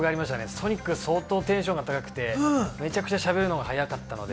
ソニックは相当テンションが高くて、むちゃくちゃしゃべるのが速かったので。